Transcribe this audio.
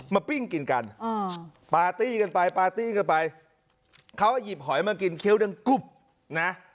ปิ้งกินกันปาร์ตี้กันไปปาร์ตี้กันไปเขาหยิบหอยมากินเคี้ยวดึงกุ๊บนะ